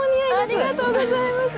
ありがとうございます。